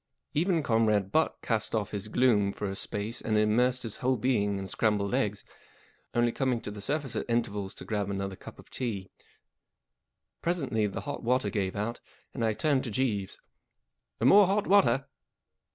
Even Comrade Butt cast off his gloom for a space and immersed his whole being in scrambled eggs, only coming to the surface at intervals to grab another cup of tea* Presently the hot water gave out, and I turned to Jeeves. 11 More hot water.'